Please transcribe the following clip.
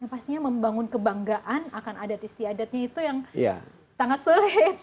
pastinya membangun kebanggaan akan adat istiadatnya itu yang sangat sulit